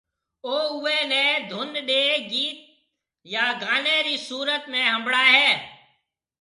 او اوئيَ نيَ ڌُن ڏيَ گيت يا گانيَ رِي صورت ۾ ھنڀڙائيَ هيَ